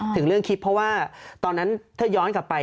ถึงเรื่องคลิปเพราะว่าตอนนั้นถ้าย้อนกลับไป